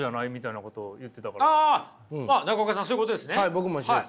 僕も一緒です。